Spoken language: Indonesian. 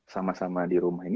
sama sama di rumah ini